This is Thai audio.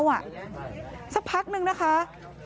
สักพักนึงนะคะ